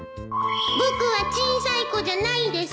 僕は小さい子じゃないです